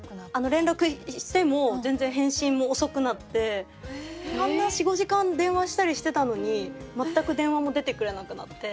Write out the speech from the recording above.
連絡しても全然返信も遅くなってあんな４５時間電話したりしてたのに全く電話も出てくれなくなって。